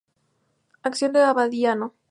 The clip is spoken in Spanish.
Acción de Abadiano